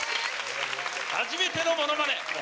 初めてのものまね。